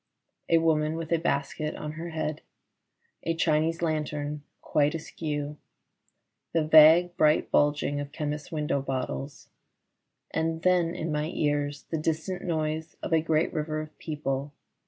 A woman with a basket on her head : a Chinese lantern quite askew : the vague bright bulging of chemists' window bottles ; and then in my ears the distant noise of a great river of people.